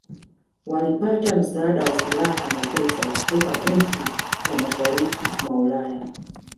Walipata msaada wa silaha na pesa kutoka nchi za mashariki mwa Ulaya